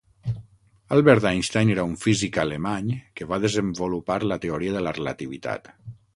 Albert Einstein era un físic alemany que va desenvolupar la Teoria de la Relativitat.